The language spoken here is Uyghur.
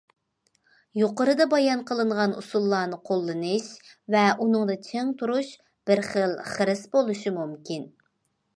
يۇقىرىدا بايان قىلىنغان ئۇسۇللارنى قوللىنىش ۋە ئۇنىڭدا چىڭ تۇرۇش بىر خىل خىرىس بولۇشى مۇمكىن.